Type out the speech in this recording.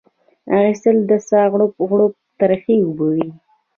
اخیسته د ساه غړپ غړپ ترخې اوبه وې